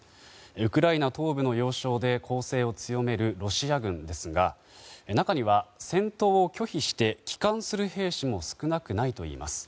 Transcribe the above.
ウクライナ東部の要衝で攻勢を強めるロシア軍ですが中には戦闘を拒否して帰還する兵士も少なくないといいます。